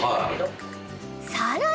［さらに］